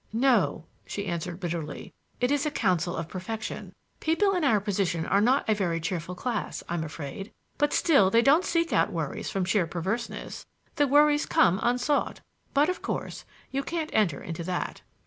"No," she answered bitterly; "it is a counsel of perfection. People in our position are not a very cheerful class, I'm afraid; but still they don't seek out worries from sheer perverseness. The worries come unsought. But, of course, you can't enter into that."